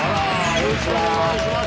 よろしくお願いします